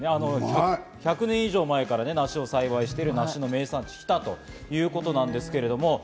１００年以上前から梨を栽培している梨の名産地・日田ということですけど。